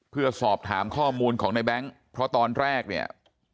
เพื่อสอบถามข้อมูลของในแบงค์เพราะตอนแรกเนี่ย